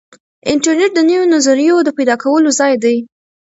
انټرنیټ د نویو نظریو د پیدا کولو ځای دی.